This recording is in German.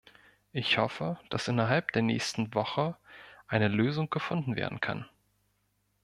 Ich hoffe, dass innerhalb der nächsten Woche eine Lösung gefunden werden kann.